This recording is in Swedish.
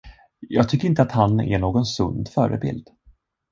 Jag tycker inte att han är någon sund förebild.